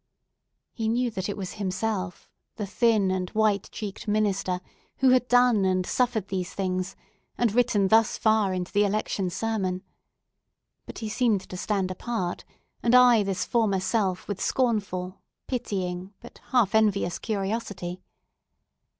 He knew that it was himself, the thin and white cheeked minister, who had done and suffered these things, and written thus far into the Election Sermon! But he seemed to stand apart, and eye this former self with scornful pitying, but half envious curiosity.